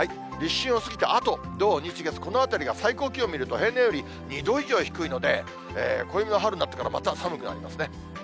立春を過ぎたあと、土、日、月、このあたりが最高気温見ると、平年より２度以上低いので、暦が春になってからまた寒くなりますね。